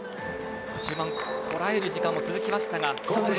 中盤はこらえる時間も続きました。